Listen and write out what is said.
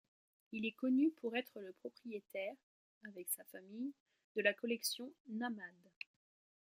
Il est connu pour être le propriétaire, avec sa famille, de la collection Nahmad.